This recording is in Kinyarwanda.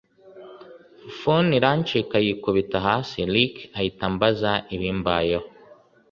phone irancika yikubita hasi Ricky ahita ambaza ibimbayeho